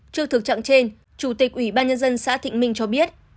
trước thực trạng trên chủ tịch ủy ban nhân dân xã thịnh minh cho biết